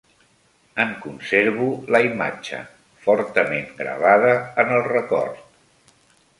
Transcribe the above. En conservo la imatge fortament gravada en el record.